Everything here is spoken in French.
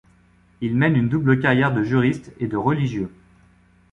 Il mène une double carrière de juriste et de religieux.